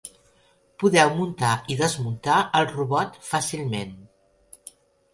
Podeu muntar i desmuntar el robot fàcilment.